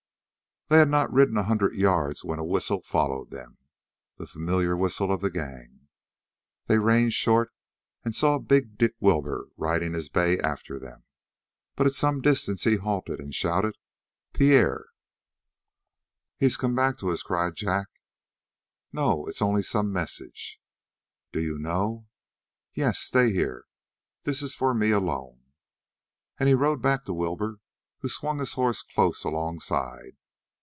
They had not ridden a hundred yards when a whistle followed them, the familiar whistle of the gang. They reined short and saw big Dick Wilbur riding his bay after them, but at some distance he halted and shouted: "Pierre!" "He's come back to us!" cried Jack. "No. It's only some message." "Do you know?" "Yes. Stay here. This is for me alone." And he rode back to Wilbur, who swung his horse close alongside.